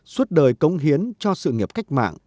suốt đời cống hiến cho sự nghiệp cách mạng